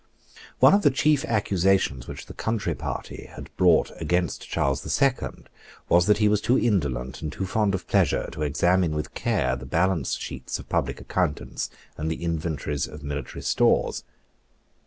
One of the chief accusations which the country party had brought against Charles the Second was that he was too indolent and too fond of pleasure to examine with care the balance sheets of public accountants and the inventories of military stores.